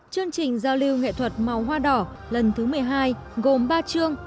chương trình giao lưu nghệ thuật màu hoa đỏ lần thứ một mươi hai gồm ba chương